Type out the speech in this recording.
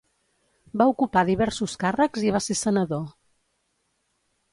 Va ocupar diversos càrrecs i va ser senador.